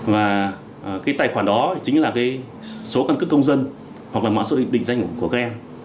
và cái tài khoản đó chính là cái số căn cước công dân hoặc là mạng số định danh của các em